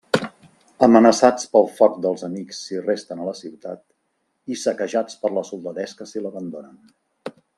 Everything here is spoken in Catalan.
Amenaçats pel foc dels amics si resten a la ciutat, i saquejats per la soldadesca si l'abandonen.